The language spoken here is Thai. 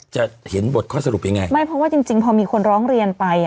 จะเห็นบทข้อสรุปยังไงไม่เพราะว่าจริงจริงพอมีคนร้องเรียนไปอ่ะ